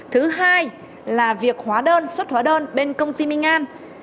thứ hai là việc hóa đơn xuất hóa đơn bên công ty minh an